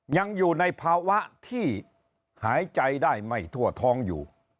ยังอยู่ในภาวะที่หายใจได้ไม่ทั่วท้องอยู่